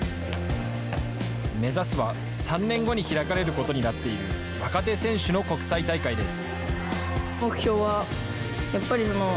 目指すは、３年後に開かれることになっている若手選手の国際大会です。